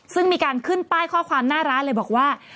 ซึ่งมีการขึ้นป้ายข้อความหน้าร้านเลยบอกว่า